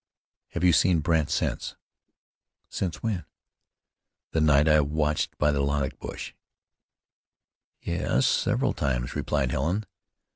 "Have you seen Brandt since?" "Since when?" "The night I watched by the lilac bush." "Yes, several times," replied Helen.